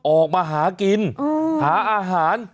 ออกมาหากินหาอาหาร